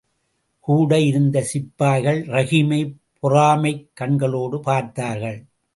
கூட இருந்த சிப்பாய்கள் ரஹீமைப் பொறாமைக் கண்களோடு பார்த்தார்கள்.